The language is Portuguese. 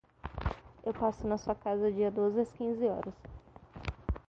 Passo na sua casa dia doze às quinze horas.